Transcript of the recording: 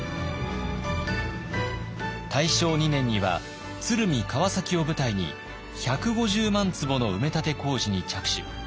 大正２年には鶴見川崎を舞台に１５０万坪の埋め立て工事に着手。